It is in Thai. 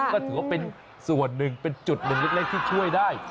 ก็ถือว่าเป็นส่วนหนึ่งเป็นจุดหนึ่งเล็กที่ช่วยได้